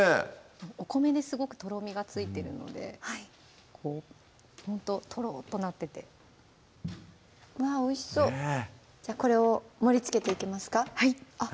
お米ですごくとろみがついてるのでほんととろっとなっててうわぁおいしそうこれを盛りつけていきますかあっ